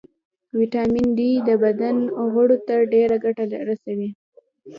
ويټامین ډي د بدن غړو ته ډېره ګټه رسوي